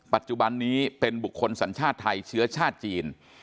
ปัจจุบันนี้เป็นบุคคลสัญชาติไทยเชื้อชาติจีน